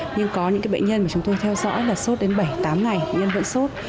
nhưng có những bệnh nhân mà chúng tôi theo dõi là sốt đến bảy tám ngày bệnh nhân vẫn sốt